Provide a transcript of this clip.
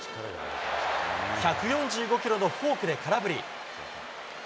１４５キロのフォークで空振り。